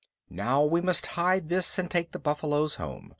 "Now we must hide this and take the buffaloes home!